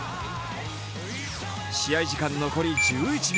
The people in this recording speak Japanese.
試合時間残り１１秒。